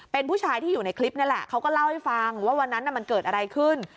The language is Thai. เป็นผู้ชายที่อยู่ในคลิปนี่แหละเขาก็เล่าให้ฟังว่าวันนั้นมันเกิดอะไรขึ้น